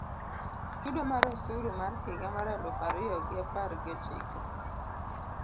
Chudo mar osuru mar higa mar eluf ario gi apar gi ochiko